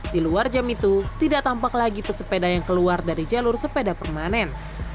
di luar jam itu tidak tampak lagi pesepeda yang keluar dari jalur sepeda permanen